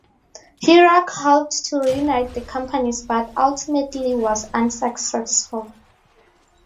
Hurok hoped to reunite the companies, but ultimately was unsuccessful.